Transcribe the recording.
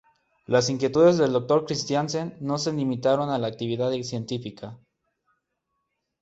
Las inquietudes del Dr. Christiansen no se limitaron a la actividad científica.